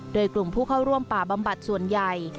โดยกลุ่มผู้เข้าร่วมป่าบำบัดส่วนใหญ่